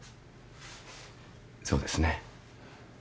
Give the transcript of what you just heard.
そうですね。